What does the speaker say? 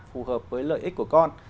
phù hợp với lợi ích của con